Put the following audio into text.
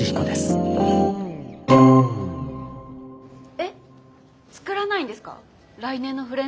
えっ作らないんですか来年のフレンズカレンダー。